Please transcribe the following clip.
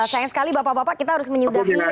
sayang sekali bapak bapak kita harus menyudahi biaya kita